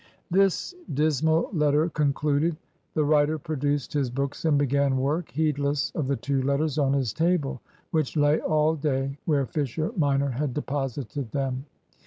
This dismal letter concluded, the writer produced his books and began work, heedless of the two letters on his table, which lay all day where Fisher minor had deposited them.